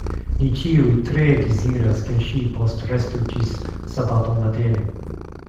Ni ĉiuj tre deziras, ke ŝi postrestu ĝis sabato matene.